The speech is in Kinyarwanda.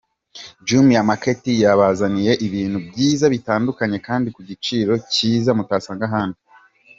Jumia Market yabazaniye ibintu byiza bitandukanye kandi ku giciro kiza mutasanga ahandi.